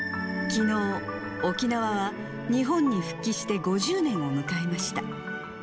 きのう、沖縄は日本に復帰して５０年を迎えました。